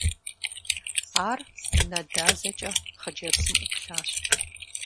Ар нэ дазэкӀэ хъыджэбзым Ӏуплъащ.